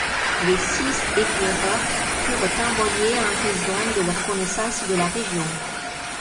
Les six éclaireurs furent envoyés en raison de leur connaissance de la région.